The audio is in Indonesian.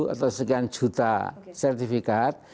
atau sekian juta sertifikat